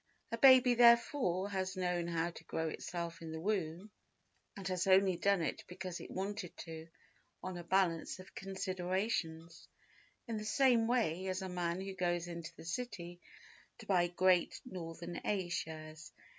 A baby, therefore, has known how to grow itself in the womb and has only done it because it wanted to, on a balance of considerations, in the same way as a man who goes into the City to buy Great Northern A Shares